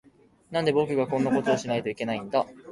なんで、僕がこんなことをしないといけないんだ。